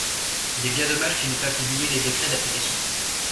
Il est bien dommage qu’ils n’aient pas publié les décrets d’application.